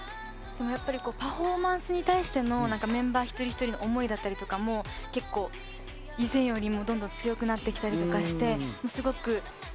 パフォーマンスに対してのメンバー、一人一人の思いだったりとかも結構、以前よりもどんどん強くなってきたりとかして、すごく今、